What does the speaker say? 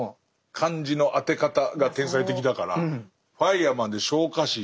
漢字の当て方が天才的だからファイアマンで「昇火士」。